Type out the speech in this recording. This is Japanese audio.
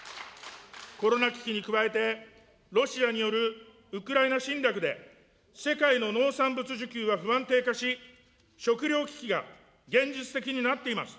コロナ危機に加えて、ロシアによるウクライナ侵略で、世界の農産物需給は不安定化し、食糧危機が現実的になっています。